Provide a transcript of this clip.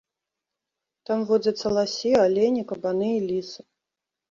Там водзяцца ласі, алені, кабаны і лісы.